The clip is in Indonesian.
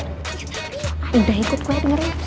udah ikut gue dengerin